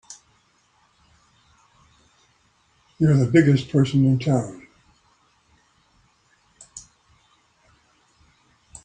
You're the biggest person in town!